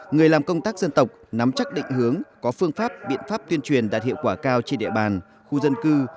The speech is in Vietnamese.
người làm công tác dân tộc nắm chắc định hướng có phương pháp biện pháp tuyên truyền đạt hiệu quả cao trên địa bàn khu dân cư